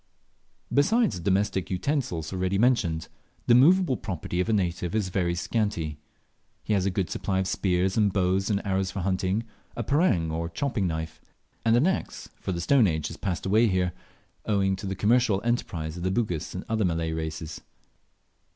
Besides the domestic utensils already mentioned, the moveable property of a native is very scanty. He has a good supply of spears and bows and arrows for hunting, a parang, or chopping knife, and an axe for the stone age has passed away here, owing to the commercial enterprise of the Bugis and other Malay races.